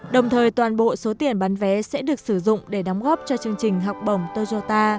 đồng thời toàn bộ số tiền bán vé sẽ được sử dụng để đóng góp cho chương trình học bổng toyota